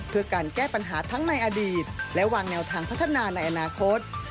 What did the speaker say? เพื่อการแก้ปัญหาทั้งในอดีตและวางแนวทางพัฒนาในอนาคต